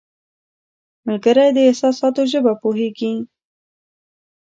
ملګری د احساساتو ژبه پوهیږي